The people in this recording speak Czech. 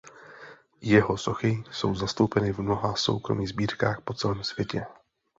Jeho sochy jsou zastoupeny v mnoha soukromých sbírkách po celém světě.